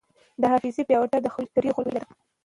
د حافظې پیاوړتیا د ډېرو خلکو هیله ده.